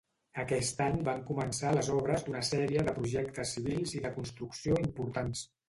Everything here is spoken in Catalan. Aquest any van començar les obres d'una sèrie de projectes civils i de construcció importants.